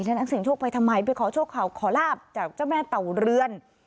นักเสียงโชคไปทำไมไปขอโชคขอลาบจากเจ้าแม่เต่าเรือน